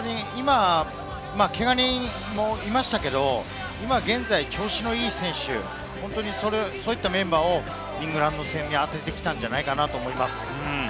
怪我人もいましたけれど、今現在、調子のいい選手、そういったメンバーをイングランド戦に当ててきたんじゃないかなと思います。